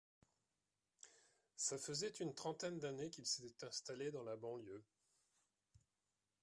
Ça faisait une trentaine d’années qu’il s’était installé dans la banlieue.